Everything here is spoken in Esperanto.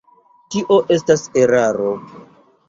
Tio estas eraro.